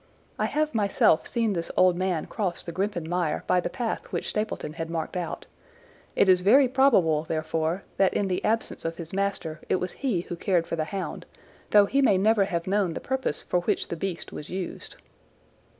I have myself seen this old man cross the Grimpen Mire by the path which Stapleton had marked out. It is very probable, therefore, that in the absence of his master it was he who cared for the hound, though he may never have known the purpose for which the beast was used.